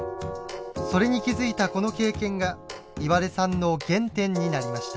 それに気付いたこの経験が岩出さんの原点になりました。